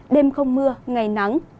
đêm không mưa ngày nắng